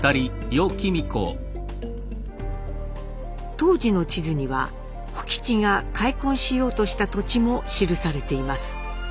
当時の地図には甫吉が開墾しようとした土地も記されています。